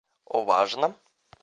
О важном?